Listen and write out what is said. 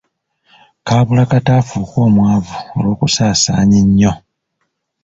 Kaabulakata afuuke omwavu olw'okusaasaanya ennyo.